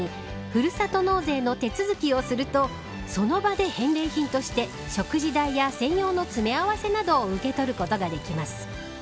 ふるさと納税の手続きをするとその場で返礼品として食事代や専用の詰め合わせなどを受け取ることができます。